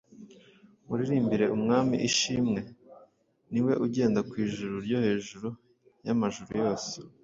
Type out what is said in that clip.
muririmbire Umwami ishimwe; Ni we ugenda ku ijuru ryo hejuru y’amajuru yose…